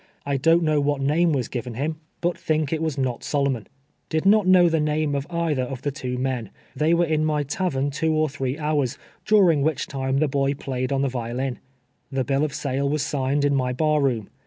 I don't know what name was given him, but think it SHEKELS AKD THOEiN". 315 was not Solomon. Did not know the name of eitlie;* of the two men. They were in my tavern two or threa houi s, during which time the boy played on the vio lin. The bill of sale was signed in my bar room.